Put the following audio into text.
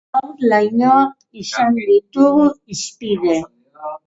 Gaur, lainoak izan ditugu hizpide.